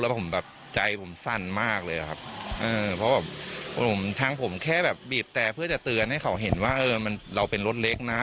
แล้วผมแบบใจผมสั้นมากเลยครับ